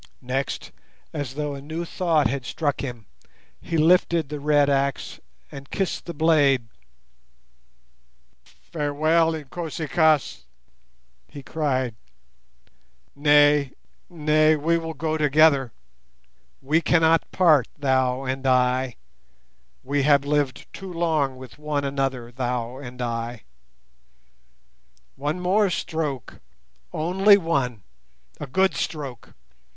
Next, as though a new thought had struck him, he lifted the red axe and kissed the blade. "Farewell, Inkosi kaas," he cried. "Nay, nay, we will go together; we cannot part, thou and I. We have lived too long one with another, thou and I. "One more stroke, only one! A good stroke!